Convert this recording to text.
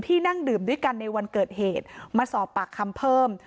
นั่งดื่มด้วยกันในวันเกิดเหตุมาสอบปากคำเพิ่ม